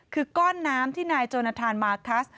คือก้อนน้ำที่นายโจนทานมาคัส